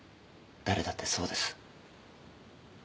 誰だってそうです。